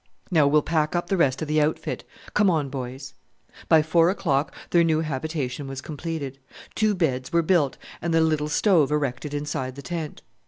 Now we'll pack up the rest of the outfit. Come on, boys!" By four o'clock their new habitation was completed: two beds were built and the little stove erected inside the tent.